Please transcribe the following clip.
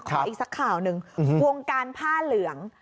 ขออีกสักข่าวนึงวงการภาห์เหลือง